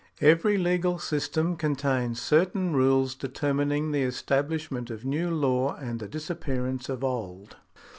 Every legal system contains certain rules determining the estabhshment of new law and the disappearance of old.